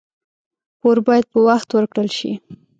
پور باید په وخت ورکړل شي.